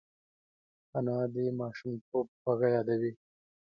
انا د ماشومتوب خواږه یادوي